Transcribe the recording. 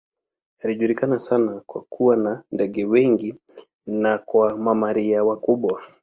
Inajulikana sana kwa kuwa na ndege wengi na kwa mamalia wakubwa.